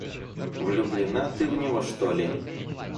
Влюблена ты в него, что ли?